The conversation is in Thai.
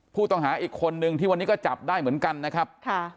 ผู้ต้องหาอีกคนนึงที่วันนี้ก็จับได้เหมือนกันนะครับค่ะ